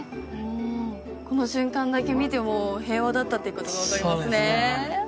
この瞬間だけ見ても平和だったっていうことが分かりますね